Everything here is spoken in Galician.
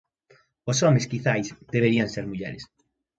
Os homes quizais, deberían ser mulleres.